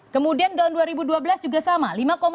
kemudian tahun dua ribu dua belas juga sama